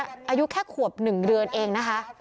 อายุแค่ขวบ๑เดือนเองนะคะ